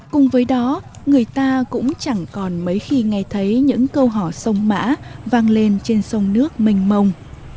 cùng với đó người ta cũng chẳng còn mấy khi nghe thấy những câu hỏ sông mã vang lên trên sông nước mênh mông